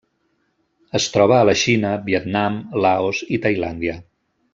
Es troba a la Xina, Vietnam, Laos i Tailàndia.